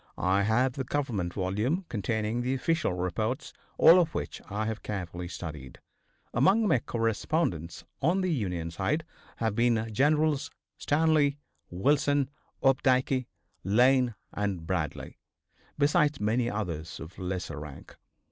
I have the Government volume containing the official reports, all of which I have carefully studied. Among my correspondents, on the Union side, have been Generals Stanley, Wilson, Opdycke, Lane and Bradley, besides many others of lesser rank.